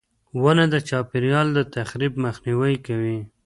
• ونه د چاپېریال د تخریب مخنیوی کوي.